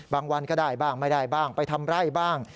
วันก็ได้บ้างไม่ได้บ้างไปทำไร่บ้าง